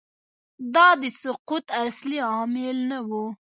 دا د سقوط اصلي عوامل نه وو